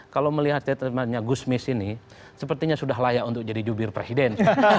kalau melihat temannya gus mis ini sepertinya sudah layak untuk jadi jubir presiden